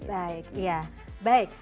baik ya baik